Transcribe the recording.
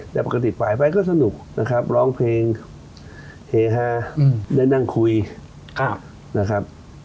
แต่ปกติฝ่ายไปก็สนุกนะครับร้องเพลงเฮฮาได้นั่งคุยนะครับ